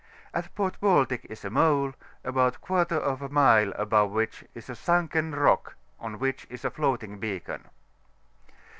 At Fort Baltic is a mole: about a quarter of a mile above which is a sunken rock, on which is a floating beacon.